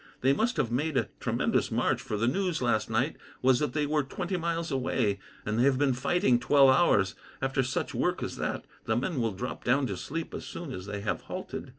They must have made a tremendous march, for the news last night was that they were twenty miles away; and they have been fighting twelve hours. After such work as that, the men will drop down to sleep as soon as they have halted."